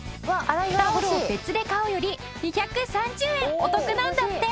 タオルを別で買うより２３０円お得なんだって！